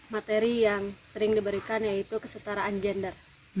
materi yang sering diberikan yaitu kesetaraan gender